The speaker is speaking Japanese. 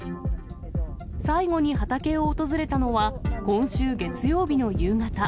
最後に畑を訪れたのは今週月曜日の夕方。